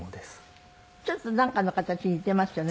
ちょっとなんかの形に似てますよね。